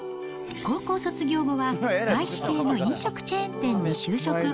高校卒業後は、外資系の飲食チェーン店に就職。